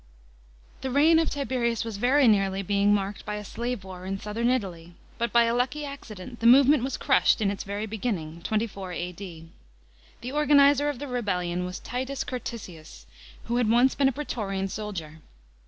§ 21. The reign of Tiberius was very nearly being marked by a slave war in Southern Italy, but by a lucky accident the movement was crushed in its very beginning (24 A.D.). The organiser of the rebellion was Titus Curtisius, who had once been a praetorian soldier.